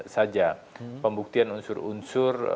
saja pembuktian unsur unsur